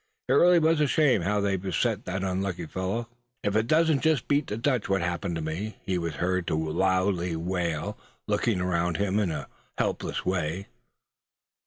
It really was a shame how they beset that unlucky fellow. "If it don't just beat the Dutch what happens to me?" he was heard to loudly wail, looking around him in a helpless way.